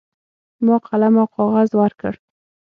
ما قلم او کاغذ ورکړ.